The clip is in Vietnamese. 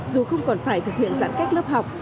dù không còn phải thực hiện giãn cách lớp học